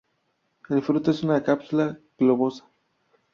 El fruto es una cápsula globosa.